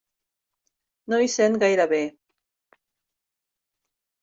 No hi sent gaire bé.